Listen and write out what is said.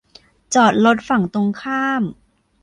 จอดรถฝั่งตรงข้าม